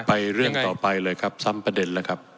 เรื่องต่อไปเลยครับซ้ำประเด็นแล้วครับ